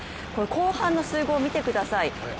後半の水濠見てください。